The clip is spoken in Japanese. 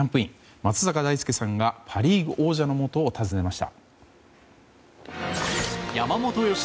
松坂大輔さんがパ・リーグ王者のもとを訪ねました。